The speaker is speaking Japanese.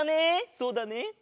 そうだね！